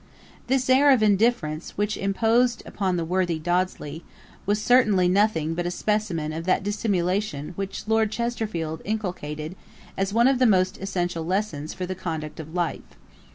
This air of indifference, which imposed upon the worthy Dodsley, was certainly nothing but a specimen of that dissimulation which Lord Chesterfield inculcated as one of the most essential lessons for the conduct of life.